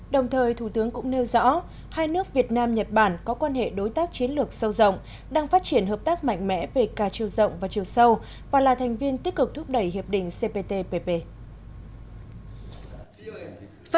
đồng thời thủ tướng cũng nêu rõ hai nước việt nam nhật bản có quan hệ đối tác chiến lược sâu rộng đang phát triển hợp tác mạnh mẽ về cả chiều rộng và chiều sâu và là thành viên tích cực thúc đẩy hiệp định cptpp